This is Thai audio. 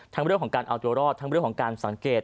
เรื่องของการเอาตัวรอดทั้งเรื่องของการสังเกต